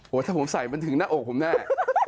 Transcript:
ถ้าผมใส่มันถึงหน้าอกผมแน่